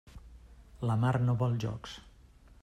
La mar no vol jocs.